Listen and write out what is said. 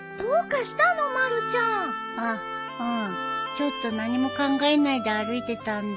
ちょっと何も考えないで歩いてたんだ。